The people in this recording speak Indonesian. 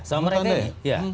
sama mereka ini